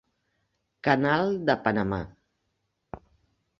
Canal de Panamà.